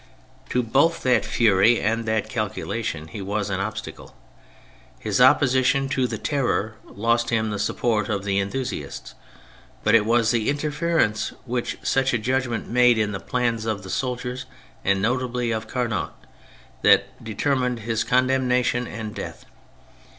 To both that 72 THE FRENCH REVOLUTION fury and that calculation he was an obstacle ; his opposition to the Terror lost him the sup port of the enthusiasts, but it was the inter ference which such a judgment made in the plans of the soldiers, and notably of Carnot, that determined his condemnation and death.